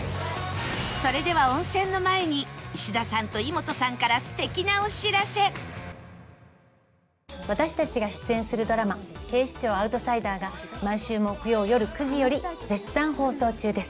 それでは温泉の前に石田さんと井本さんから私たちが出演するドラマ『警視庁アウトサイダー』が毎週木曜よる９時より絶賛放送中です。